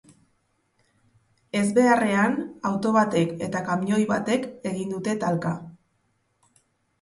Ezbeharrean, auto batek eta kamioi batek egin dute talka.